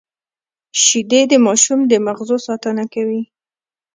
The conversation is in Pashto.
شیدې د ماشوم د مغزو ساتنه کوي